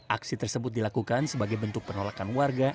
aksi tersebut dilakukan sebagai bentuk penolakan warga